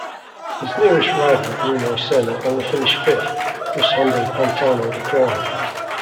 His nearest rival Bruno Senna only finished fifth, thus handing Pantano the crown.